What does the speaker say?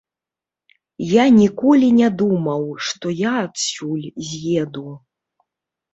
Я ніколі не думаў, што я адсюль з'еду.